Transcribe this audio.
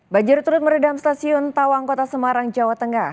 banjir turut meredam stasiun tawang kota semarang jawa tengah